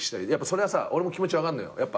それはさ俺も気持ち分かんのよ。